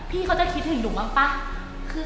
พี่เขาจะคิดถึงหลุงมากปะ